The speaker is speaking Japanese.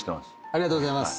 ありがとうございます。